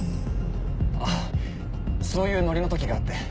あそういうノリの時があって。